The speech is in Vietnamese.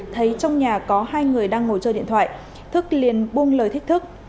thấy trong nhà có hai người đang ngồi chơi điện thoại thức liền buông lời thách thức